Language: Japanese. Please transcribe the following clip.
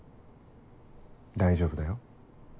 大丈夫だよ。